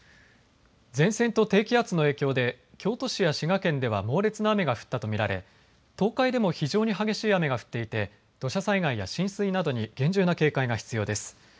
前線と低気圧の影響で京都市や滋賀県では猛烈な雨が降ったと見られ東海でも非常に激しい雨が降っていて土砂災害や浸水などに厳重な警戒が必要です。